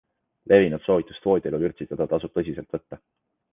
Levinud soovitust voodielu vürtsitada tasub tõsiselt võtta.